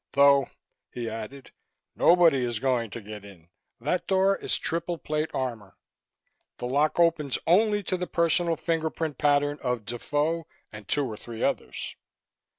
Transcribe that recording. Though," he added, "nobody is going to get in. That door is triple plate armor; the lock opens only to the personal fingerprint pattern of Defoe and two or three others."